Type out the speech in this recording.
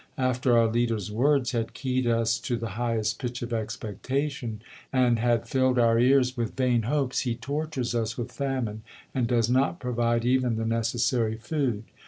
After our leader's words had keyed us to the highest pitch of expectation, and had filled out ears with vain hopes, he tortures us with famine and does not provide even the necessary food.